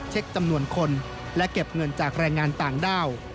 จำนวนคนและเก็บเงินจากแรงงานต่างด้าว